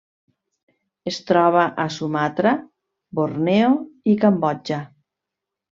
Es troba a Sumatra, Borneo i Cambodja.